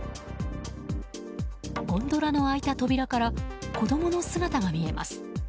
ゴンドラの開いた扉から子供の姿が見えます。